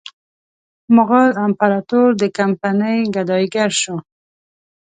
مغول امپراطور د کمپنۍ ګدایي ګر شو.